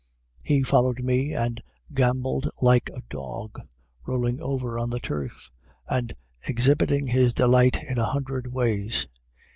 He followed me and gamboled like a dog, rolling over on the turf and exhibiting his delight in a hundred ways.